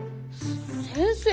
先生